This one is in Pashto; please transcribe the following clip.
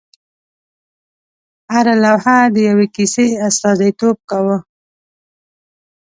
هره لوحه د یوې کیسې استازیتوب کاوه.